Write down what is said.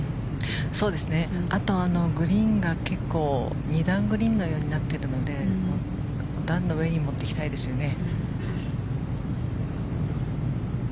あとグリーンが結構２段グリーンのようになっているので段の上に持っていきたいですよね。